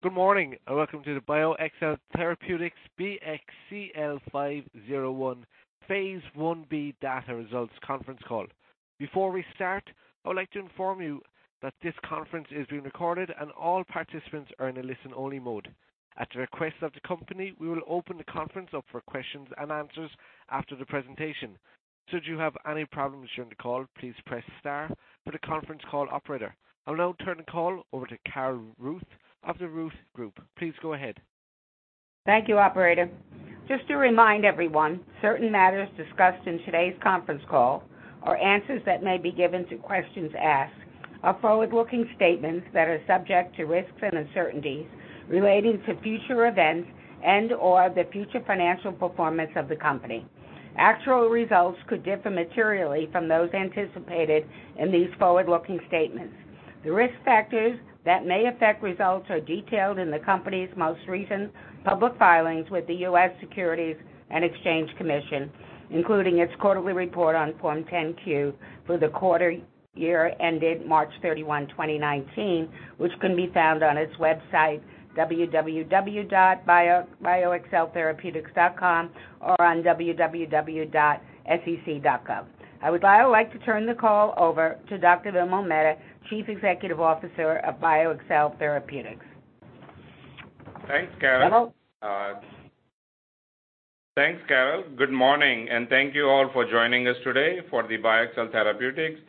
Good morning, and welcome to the BioXcel Therapeutics BXCL501 phase I-B data results conference call. Before we start, I would like to inform you that this conference is being recorded and all participants are in a listen-only mode. At the request of the company, we will open the conference up for questions and answers after the presentation. Should you have any problems during the call, please press star for the conference call operator. I'll now turn the call over to Carol Ruth of The Ruth Group. Please go ahead. Thank you, operator. Just to remind everyone, certain matters discussed in today's conference call or answers that may be given to questions asked are forward-looking statements that are subject to risks and uncertainties relating to future events and/or the future financial performance of the company. Actual results could differ materially from those anticipated in these forward-looking statements. The risk factors that may affect results are detailed in the company's most recent public filings with the U.S. Securities and Exchange Commission, including its quarterly report on Form 10-Q for the quarter year ended March 31, 2019, which can be found on its website, www.bioxceltherapeutics.com, or on www.sec.gov. I would now like to turn the call over to Dr. Vimal Mehta, Chief Executive Officer of BioXcel Therapeutics. Thanks, Carol. Vimal? Thanks, Carol. Good morning, thank you all for joining us today for the BioXcel Therapeutics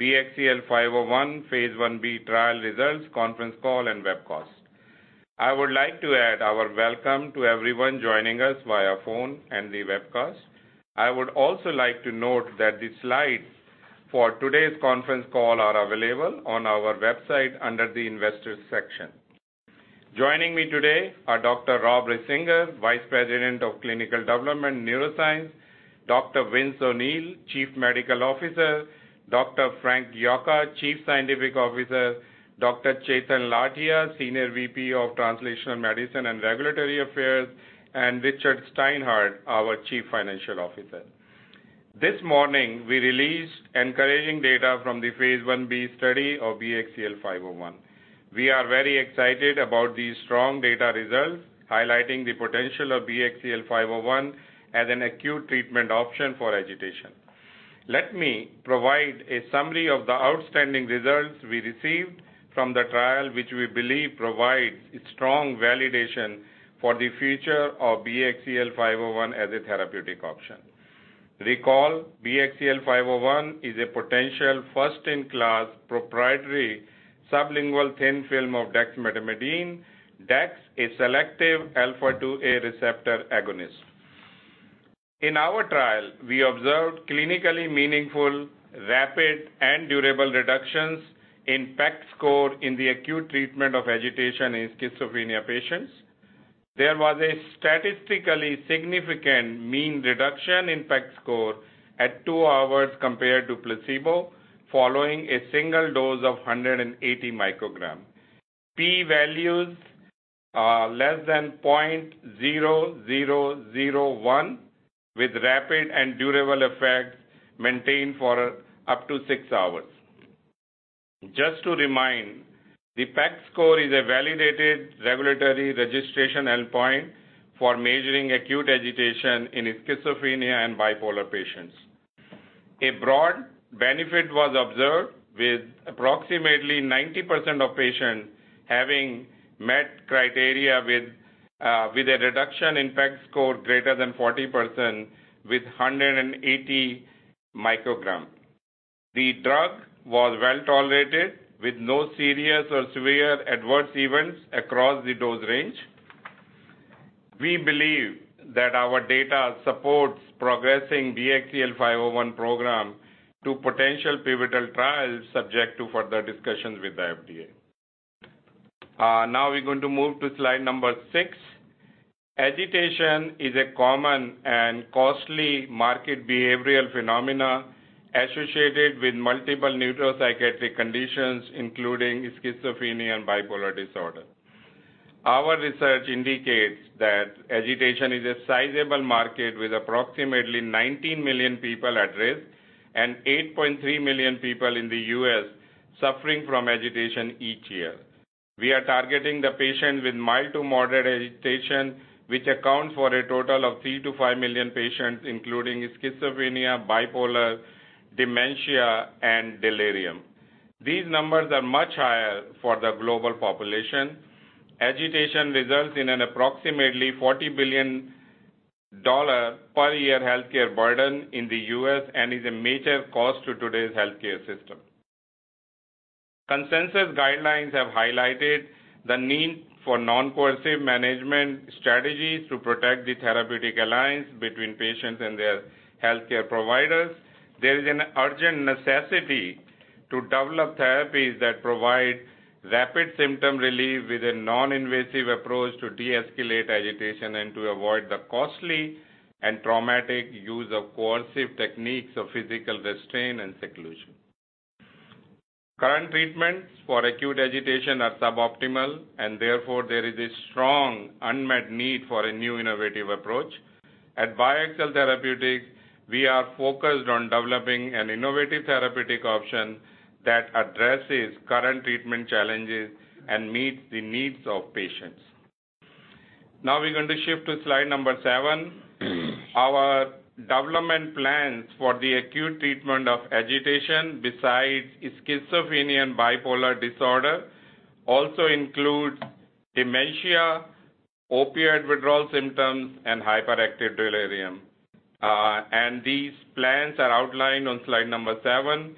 BXCL501 phase I-B trial results conference call and webcast. I would like to add our welcome to everyone joining us via phone and the webcast. I would also like to note that the slides for today's conference call are available on our website under the Investors section. Joining me today are Dr. Rob Risinger, Vice President of Clinical Development, Neuroscience, Dr. Vince O'Neill, Chief Medical Officer, Dr. Frank Yocca, Chief Scientific Officer, Dr. Chetan Lathia, Senior VP of Translational Medicine and Regulatory Affairs, and Richard Steinhart, our Chief Financial Officer. This morning, we released encouraging data from the phase I-B study of BXCL501. We are very excited about these strong data results, highlighting the potential of BXCL501 as an acute treatment option for agitation. Let me provide a summary of the outstanding results we received from the trial, which we believe provides strong validation for the future of BXCL501 as a therapeutic option. Recall, BXCL501 is a potential first-in-class proprietary sublingual thin film of dexmedetomidine. Dex, a selective alpha-2A receptor agonist. In our trial, we observed clinically meaningful, rapid, and durable reductions in PEC score in the acute treatment of agitation in schizophrenia patients. There was a statistically significant mean reduction in PEC score at two hours compared to placebo, following a single dose of 180 microgram. P-values are less than 0.0001, with rapid and durable effects maintained for up to six hours. Just to remind, the PEC score is a validated regulatory registration endpoint for measuring acute agitation in schizophrenia and bipolar patients. A broad benefit was observed with approximately 90% of patients having met criteria with a reduction in PEC score greater than 40% with 180 microgram. The drug was well-tolerated, with no serious or severe adverse events across the dose range. We believe that our data supports progressing BXCL501 program to potential pivotal trials subject to further discussions with the FDA. We're going to move to slide number 6. Agitation is a common and costly market behavioral phenomena associated with multiple neuropsychiatric conditions, including schizophrenia and bipolar disorder. Our research indicates that agitation is a sizable market with approximately 19 million people at risk and 8.3 million people in the U.S. suffering from agitation each year. We are targeting the patients with mild to moderate agitation, which account for a total of 3 million-5 million patients, including schizophrenia, bipolar, dementia, and delirium. These numbers are much higher for the global population. Agitation results in an approximately $40 billion per year healthcare burden in the U.S. and is a major cost to today's healthcare system. Consensus guidelines have highlighted the need for non-coercive management strategies to protect the therapeutic alliance between patients and their healthcare providers. There is an urgent necessity to develop therapies that provide rapid symptom relief with a non-invasive approach to deescalate agitation and to avoid the costly and traumatic use of coercive techniques of physical restraint and seclusion. Therefore there is a strong unmet need for a new innovative approach. At BioXcel Therapeutics, we are focused on developing an innovative therapeutic option that addresses current treatment challenges and meets the needs of patients. Now we're going to shift to slide number seven. Our development plans for the acute treatment of agitation, besides schizophrenia and bipolar disorder, also include dementia, opioid withdrawal symptoms, and hyperactive delirium. These plans are outlined on slide number seven.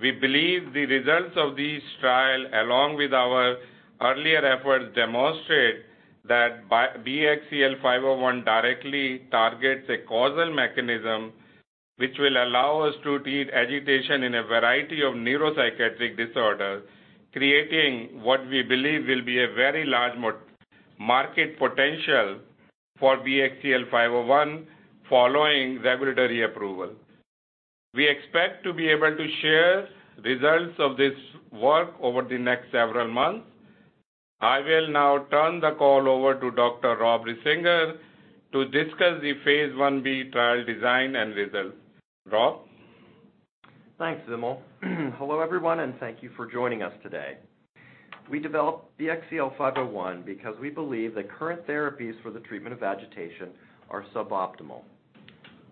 We believe the results of this trial, along with our earlier efforts, demonstrate that BXCL501 directly targets a causal mechanism which will allow us to treat agitation in a variety of neuropsychiatric disorders, creating what we believe will be a very large market potential for BXCL501 following regulatory approval. We expect to be able to share results of this work over the next several months. I will now turn the call over to Dr. Rob Risinger to discuss the phase I-B trial design and results. Rob? Thanks, Vimal. Hello everyone, thank you for joining us today. We developed BXCL501 because we believe that current therapies for the treatment of agitation are suboptimal.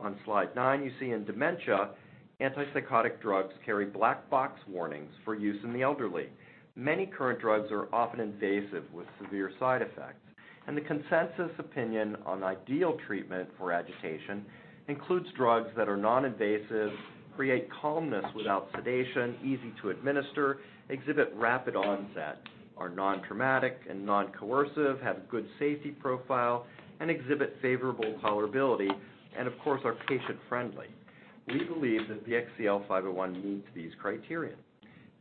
On slide nine, you see in dementia, antipsychotic drugs carry black box warnings for use in the elderly. Many current drugs are often invasive with severe side effects, and the consensus opinion on ideal treatment for agitation includes drugs that are non-invasive, create calmness without sedation, easy to administer, exhibit rapid onset, are non-traumatic and non-coercive, have a good safety profile, and exhibit favorable tolerability, and of course, are patient-friendly. We believe that BXCL501 meets these criteria.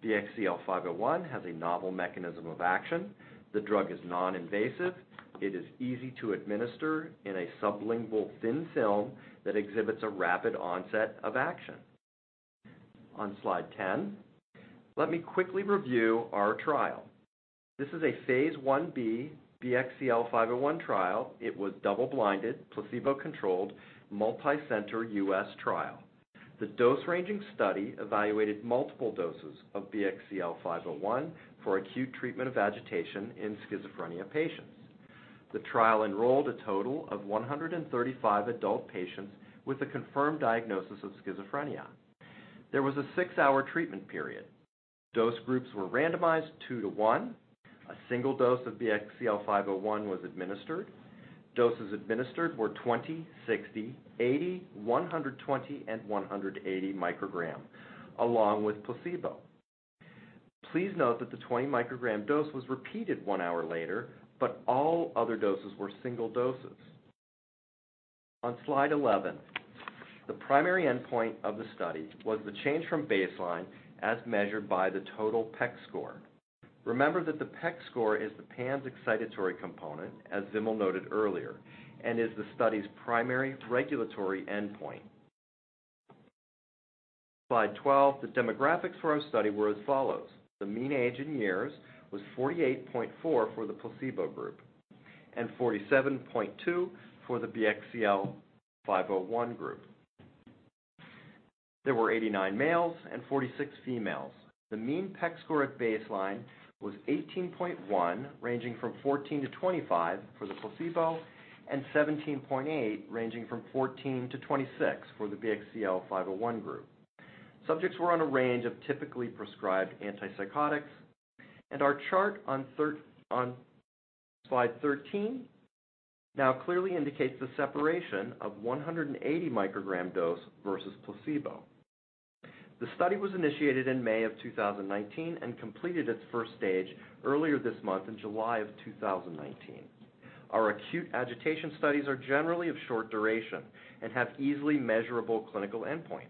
BXCL501 has a novel mechanism of action. The drug is non-invasive. It is easy to administer in a sublingual thin film that exhibits a rapid onset of action. On slide 10, let me quickly review our trial. This is a phase I-B BXCL501 trial. It was double-blinded, placebo-controlled, multi-center U.S. trial. The dose-ranging study evaluated multiple doses of BXCL501 for acute treatment of agitation in schizophrenia patients. The trial enrolled a total of 135 adult patients with a confirmed diagnosis of schizophrenia. There was a six-hour treatment period. Dose groups were randomized 2 to 1. A single dose of BXCL501 was administered. Doses administered were 20, 60, 80, 120, and 180 micrograms, along with placebo. Please note that the 20-microgram dose was repeated one hour later, but all other doses were single doses. On slide 11, the primary endpoint of the study was the change from baseline as measured by the total PEC score. Remember that the PEC score is the PANSS Excited Component, as Vimal noted earlier, and is the study's primary regulatory endpoint. Slide 12, the demographics for our study were as follows: The mean age in years was 48.4 for the placebo group and 47.2 for the BXCL501 group. There were 89 males and 46 females. The mean PEC score at baseline was 18.1, ranging from 14-25 for the placebo, and 17.8, ranging from 14-26 for the BXCL501 group. Subjects were on a range of typically prescribed antipsychotics, and our chart on slide 13 now clearly indicates the separation of 180 microgram dose versus placebo. The study was initiated in May of 2019 and completed its first stage earlier this month in July of 2019. Our acute agitation studies are generally of short duration and have easily measurable clinical endpoints.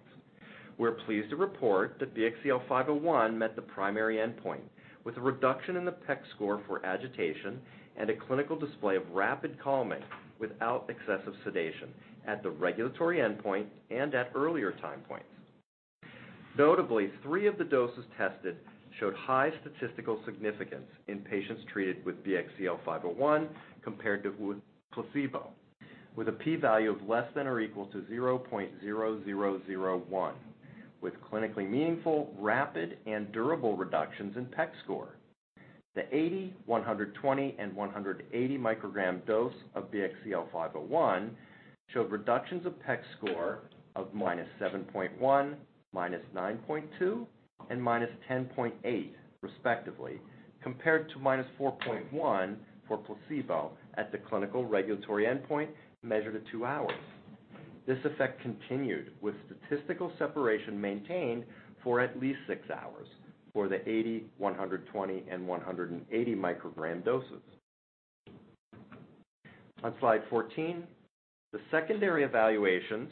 We're pleased to report that BXCL501 met the primary endpoint, with a reduction in the PEC score for agitation and a clinical display of rapid calming without excessive sedation at the regulatory endpoint and at earlier time points. Notably, three of the doses tested showed high statistical significance in patients treated with BXCL501 compared to with placebo, with a P value of less than or equal to 0.0001, with clinically meaningful, rapid, and durable reductions in PEC score. The 80, 120, and 180 microgram dose of BXCL501 showed reductions of PEC score of -7.1, -9.2, and -10.8 respectively, compared to -4.1 for placebo at the clinical regulatory endpoint measured at two hours. This effect continued with statistical separation maintained for at least six hours for the 80, 120, and 180 microgram doses. On slide 14, the secondary evaluations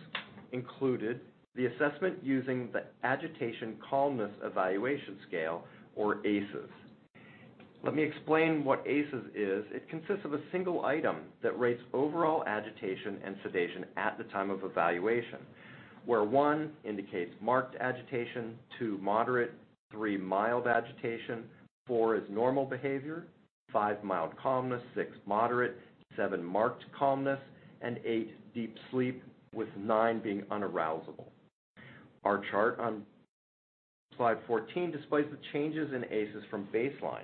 included the assessment using the Agitation-Calmness Evaluation Scale, or ACES. Let me explain what ACES is. It consists of a single item that rates overall agitation and sedation at the time of evaluation. Where 1 indicates marked agitation, 2 moderate, 3 mild agitation, 4 is normal behavior, 5 mild calmness, 6 moderate, 7 marked calmness, and 8 deep sleep, with 9 being unarousable. Our chart on slide 14 displays the changes in ACES from baseline.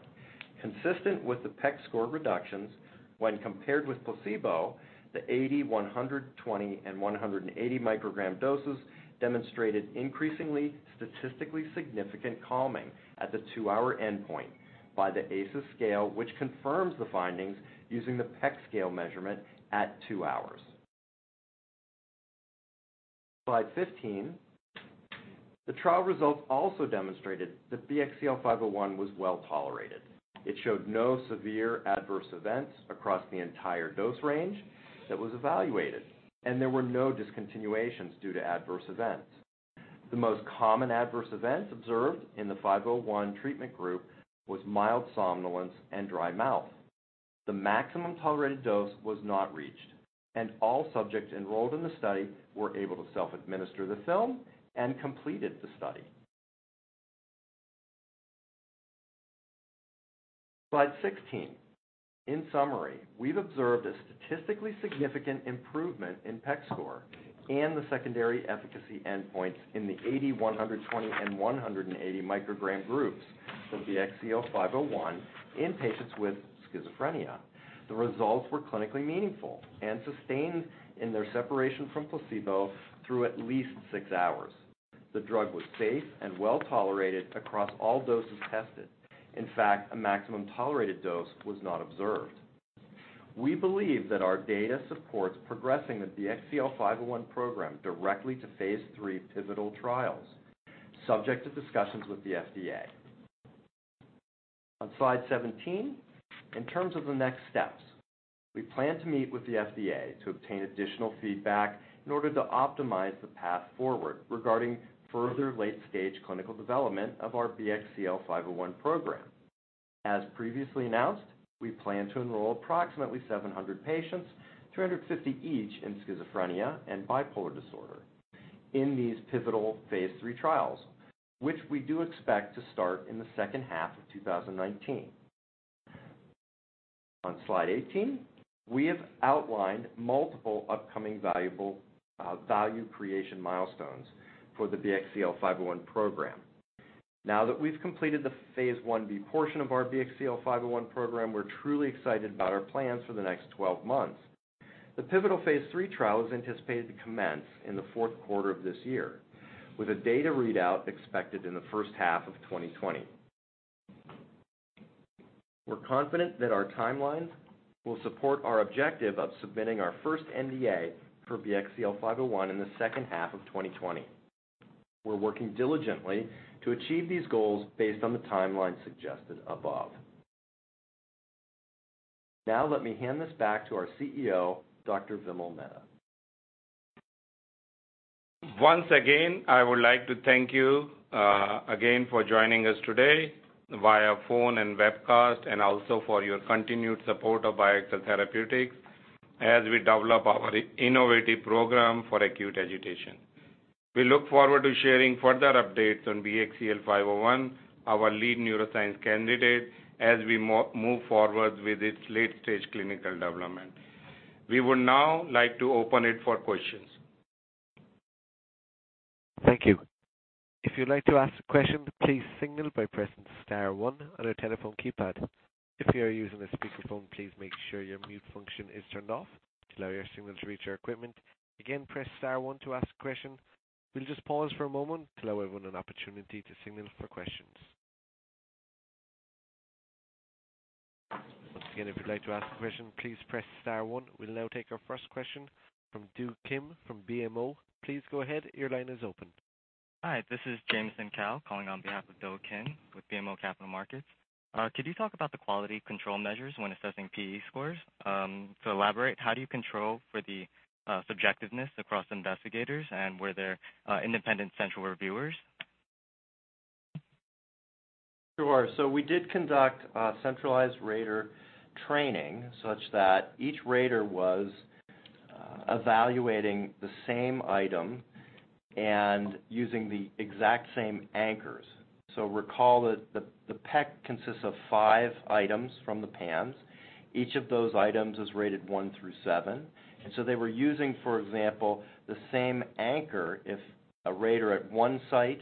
Consistent with the PEC score reductions, when compared with placebo, the 80, 120, and 180 microgram doses demonstrated increasingly statistically significant calming at the two-hour endpoint by the ACES scale, which confirms the findings using the PEC scale measurement at two hours. Slide 15. The trial results also demonstrated that BXCL501 was well-tolerated. It showed no severe adverse events across the entire dose range that was evaluated, and there were no discontinuations due to adverse events. The most common adverse events observed in the 501 treatment group was mild somnolence and dry mouth. The maximum tolerated dose was not reached, and all subjects enrolled in the study were able to self-administer the film and completed the study. Slide 16. In summary, we've observed a statistically significant improvement in PEC score and the secondary efficacy endpoints in the 80, 120, and 180 microgram groups of BXCL501 in patients with schizophrenia. The results were clinically meaningful and sustained in their separation from placebo through at least six hours. The drug was safe and well-tolerated across all doses tested. A maximum tolerated dose was not observed. We believe that our data supports progressing the BXCL501 program directly to phase III pivotal trials, subject to discussions with the FDA. On slide 17, in terms of the next steps, we plan to meet with the FDA to obtain additional feedback in order to optimize the path forward regarding further late-stage clinical development of our BXCL501 program. As previously announced, we plan to enroll approximately 700 patients, 350 each in schizophrenia and bipolar disorder in these pivotal phase III trials, which we do expect to start in the second half of 2019. On slide 18, we have outlined multiple upcoming value creation milestones for the BXCL501 program. Now that we've completed the phase I-B portion of our BXCL501 program, we're truly excited about our plans for the next 12 months. The pivotal phase III trial is anticipated to commence in the fourth quarter of this year, with a data readout expected in the first half of 2020. We're confident that our timelines will support our objective of submitting our first NDA for BXCL501 in the second half of 2020. We're working diligently to achieve these goals based on the timeline suggested above. Let me hand this back to our CEO, Dr. Vimal Mehta. Once again, I would like to thank you again for joining us today via phone and webcast, and also for your continued support of BioXcel Therapeutics as we develop our innovative program for acute agitation. We look forward to sharing further updates on BXCL501, our lead neuroscience candidate, as we move forward with its late-stage clinical development. We would now like to open it for questions. Thank you. If you'd like to ask a question, please signal by pressing *1 on your telephone keypad. If you are using a speakerphone, please make sure your mute function is turned off to allow your signal to reach our equipment. Again, press *1 to ask a question. We'll just pause for a moment to allow everyone an opportunity to signal for questions. Once again, if you'd like to ask a question, please press *1. We'll now take our first question from Do Kim from BMO. Please go ahead. Your line is open. Hi. This is Jameson Kao calling on behalf of Do Kim with BMO Capital Markets. Could you talk about the quality control measures when assessing PEC scores? To elaborate, how do you control for the subjectiveness across investigators and were there independent central reviewers? Sure. We did conduct centralized rater training such that each rater was evaluating the same item and using the exact same anchors. Recall that the PEC consists of five items from the PANSS. Each of those items is rated 1 through 7. They were using, for example, the same anchor. If a rater at one site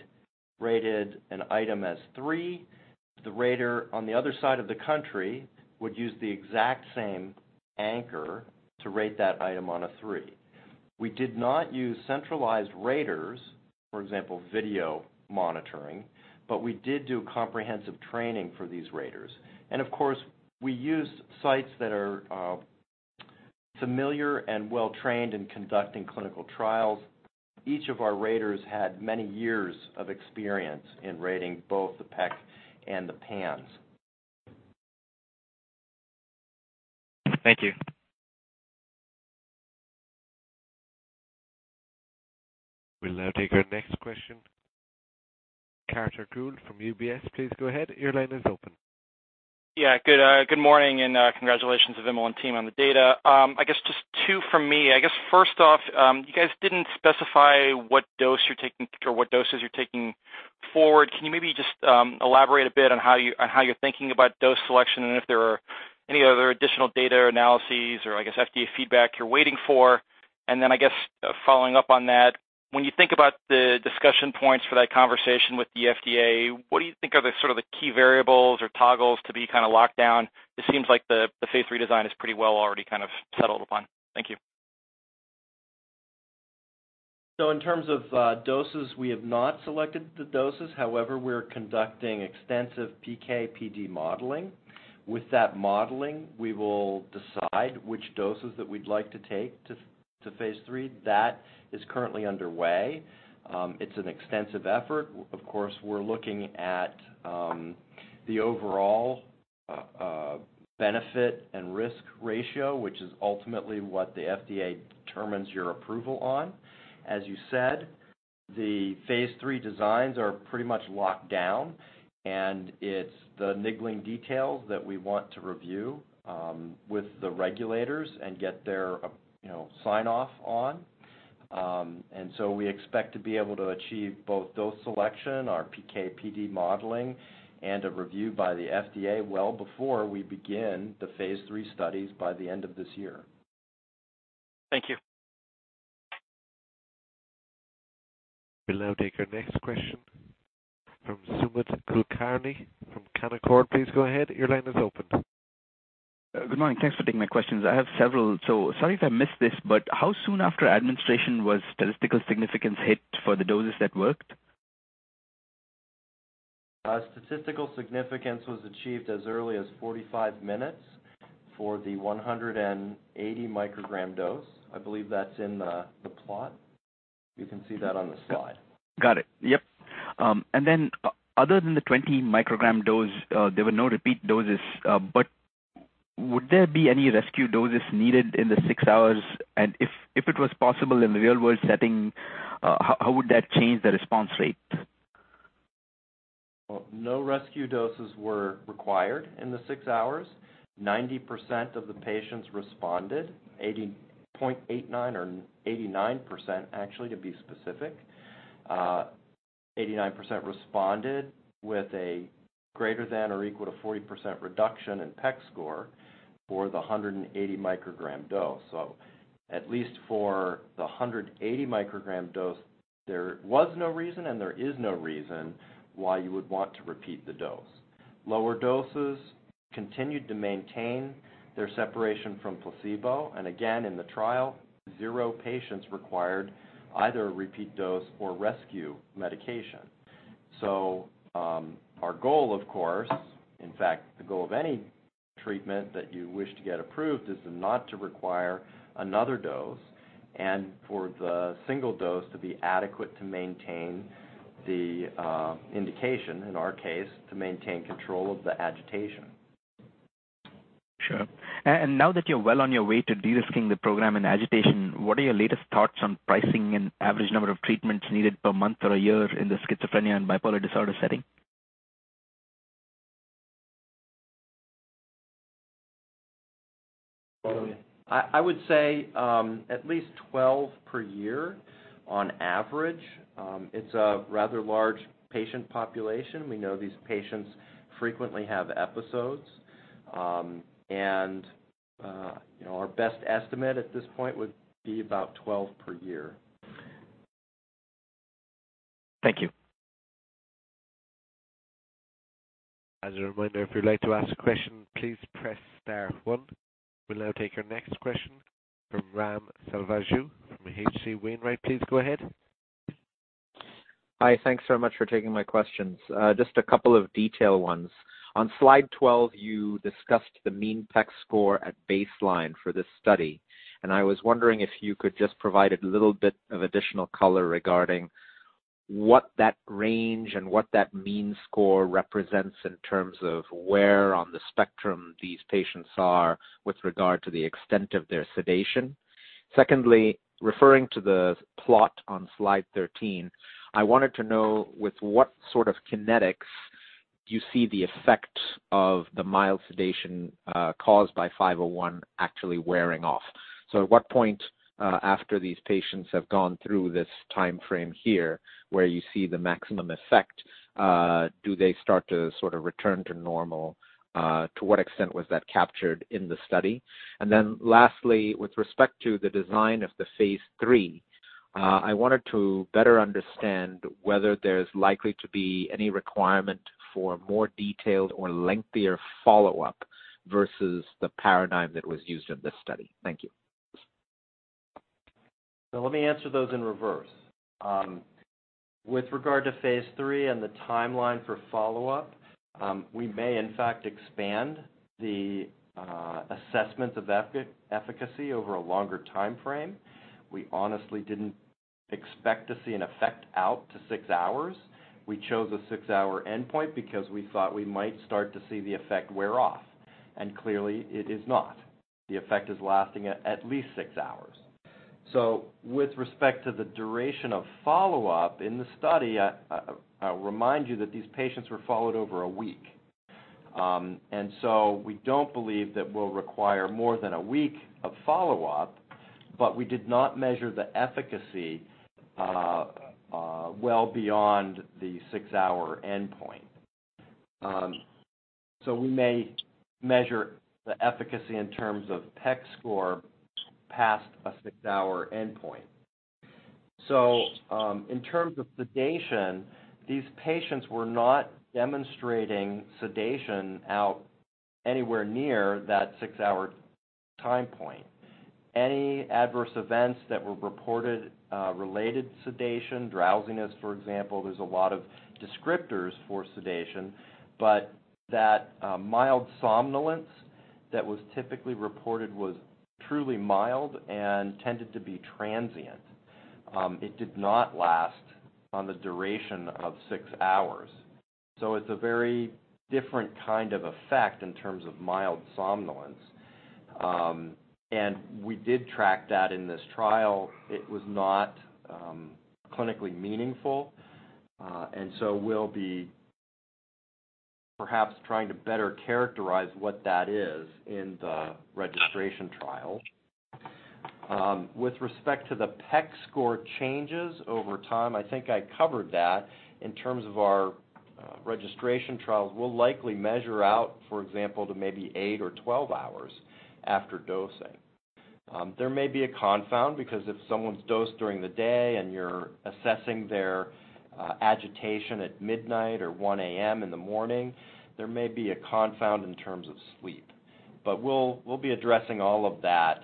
rated an item as 3, the rater on the other side of the country would use the exact same anchor to rate that item on a 3. We did not use centralized raters, for example, video monitoring. We did do comprehensive training for these raters. Of course, we used sites that are familiar and well-trained in conducting clinical trials. Each of our raters had many years of experience in rating both the PEC and the PANSS. Thank you. We'll now take our next question Carter Gould from UBS, please go ahead. Your line is open. Yeah. Good morning, and congratulations to Vimal and team on the data. I guess just two from me. I guess first off, you guys didn't specify what doses you're taking forward. Can you maybe just elaborate a bit on how you're thinking about dose selection, and if there are any other additional data analyses or I guess FDA feedback you're waiting for? Then I guess following up on that, when you think about the discussion points for that conversation with the FDA, what do you think are the key variables or toggles to be locked down? It seems like the phase III design is pretty well already settled upon. Thank you. In terms of doses, we have not selected the doses. However, we're conducting extensive PK/PD modeling. With that modeling, we will decide which doses that we'd like to take to phase III. That is currently underway. It's an extensive effort. Of course, we're looking at the overall benefit and risk ratio, which is ultimately what the FDA determines your approval on. As you said, the phase III designs are pretty much locked down, and it's the niggling details that we want to review with the regulators and get their sign-off on. We expect to be able to achieve both dose selection, our PK/PD modeling, and a review by the FDA well before we begin the phase III studies by the end of this year. Thank you. We'll now take our next question from Sumant Kulkarni from Canaccord. Please go ahead. Your line is open. Good morning. Thanks for taking my questions. I have several. Sorry if I missed this, how soon after administration was statistical significance hit for the doses that worked? Statistical significance was achieved as early as 45 minutes for the 180 microgram dose. I believe that's in the plot. You can see that on the slide. Got it. Yep. Other than the 20 microgram dose, there were no repeat doses. Would there be any rescue doses needed in the six hours? If it was possible in the real-world setting, how would that change the response rate? No rescue doses were required in the six hours. 90% of the patients responded, 80.89% or 89% actually to be specific. 89% responded with a greater than or equal to 40% reduction in PEC score for the 180 microgram dose. At least for the 180 microgram dose, there was no reason, and there is no reason why you would want to repeat the dose. Lower doses continued to maintain their separation from placebo. Again, in the trial, 0 patients required either a repeat dose or rescue medication. Our goal, of course, in fact, the goal of any treatment that you wish to get approved is not to require another dose and for the single dose to be adequate to maintain the indication. In our case, to maintain control of the agitation. Sure. Now that you're well on your way to de-risking the program and agitation, what are your latest thoughts on pricing and average number of treatments needed per month or a year in the schizophrenia and bipolar disorder setting? I would say at least 12 per year on average. It's a rather large patient population. We know these patients frequently have episodes. Our best estimate at this point would be about 12 per year. Thank you. As a reminder, if you'd like to ask a question, please press star one. We'll now take our next question from Ram Selvaraju from H.C. Wainwright. Please go ahead. Hi. Thanks so much for taking my questions. Just a couple of detail ones. On slide 12, you discussed the mean PEC score at baseline for this study, and I was wondering if you could just provide a little bit of additional color regarding what that range and what that mean score represents in terms of where on the spectrum these patients are with regard to the extent of their sedation. Secondly, referring to the plot on slide 13, I wanted to know with what sort of kinetics you see the effect of the mild sedation caused by 501 actually wearing off. At what point after these patients have gone through this timeframe here, where you see the maximum effect do they start to sort of return to normal? To what extent was that captured in the study? Lastly, with respect to the design of the phase III, I wanted to better understand whether there's likely to be any requirement for more detailed or lengthier follow-up versus the paradigm that was used in this study. Thank you. Let me answer those in reverse. With regard to phase III and the timeline for follow-up, we may in fact expand the assessment of efficacy over a longer timeframe. We honestly didn't expect to see an effect out to 6 hours. We chose a 6-hour endpoint because we thought we might start to see the effect wear off, and clearly it is not. The effect is lasting at least 6 hours. With respect to the duration of follow-up in the study, I'll remind you that these patients were followed over a week. We don't believe that we'll require more than a week of follow-up, but we did not measure the efficacy well beyond the 6-hour endpoint. We may measure the efficacy in terms of PEC score past a 6-hour endpoint. In terms of sedation, these patients were not demonstrating sedation out anywhere near that six-hour time point. Any adverse events that were reported related sedation, drowsiness, for example. There's a lot of descriptors for sedation, but that mild somnolence that was typically reported was truly mild and tended to be transient. It did not last on the duration of six hours. It's a very different kind of effect in terms of mild somnolence. We did track that in this trial. It was not clinically meaningful. We'll be perhaps trying to better characterize what that is in the registration trial. With respect to the PEC score changes over time, I think I covered that. In terms of our registration trials, we'll likely measure out, for example, to maybe eight or 12 hours after dosing. There may be a confound, because if someone's dosed during the day and you're assessing their agitation at midnight or 1:00 A.M. in the morning, there may be a confound in terms of sleep. We'll be addressing all of that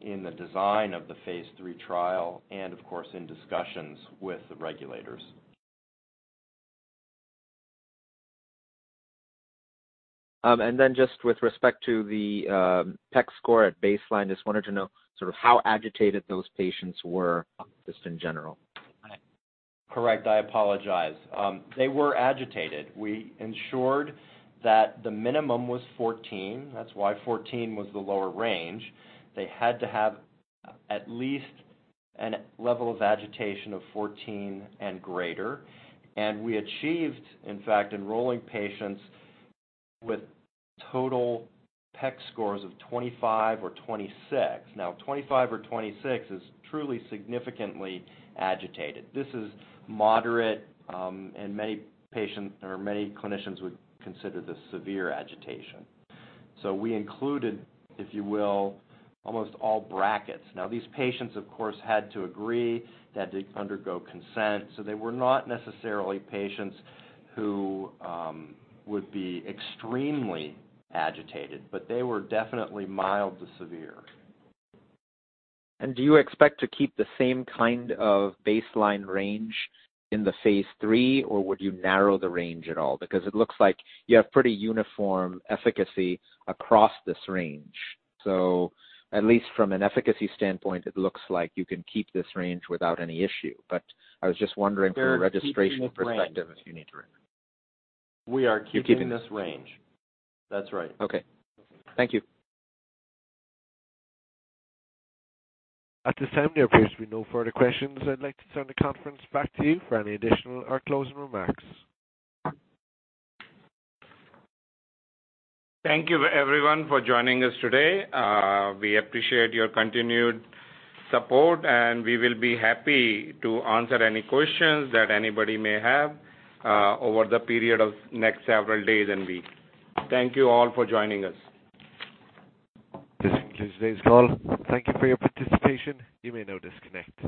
in the design of the phase III trial and of course, in discussions with the regulators. Just with respect to the PEC score at baseline, just wanted to know sort of how agitated those patients were just in general. Correct. I apologize. They were agitated. We ensured that the minimum was 14. That's why 14 was the lower range. They had to have at least a level of agitation of 14 and greater. We achieved, in fact, enrolling patients with total PEC scores of 25 or 26. 25 or 26 is truly significantly agitated. This is moderate, and many patients or many clinicians would consider this severe agitation. We included, if you will, almost all brackets. These patients, of course, had to agree. They had to undergo consent. They were not necessarily patients who would be extremely agitated, but they were definitely mild to severe. Do you expect to keep the same kind of baseline range in the phase III, or would you narrow the range at all? It looks like you have pretty uniform efficacy across this range. At least from an efficacy standpoint, it looks like you can keep this range without any issue. I was just wondering from a registration perspective if you need to? We are keeping this range. That's right. Okay. Thank you. At this time, there appears to be no further questions. I'd like to turn the conference back to you for any additional or closing remarks. Thank you everyone for joining us today. We appreciate your continued support, and we will be happy to answer any questions that anybody may have over the period of next several days and weeks. Thank you all for joining us. This concludes today's call. Thank you for your participation. You may now disconnect.